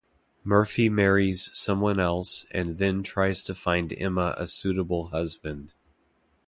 Murphy marries someone else, and then tries to find Emma a suitable husband.